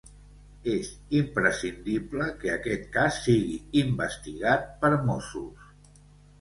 És imprescindible que aquest cas sigui investigat per mossos.